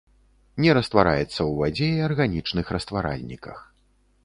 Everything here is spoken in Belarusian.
Не раствараецца ў вадзе і арганічных растваральніках.